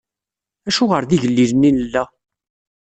Acuɣer d igellilen i nella?